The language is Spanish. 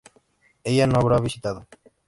Ella no habrá visitado